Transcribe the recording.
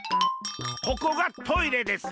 ここがトイレです。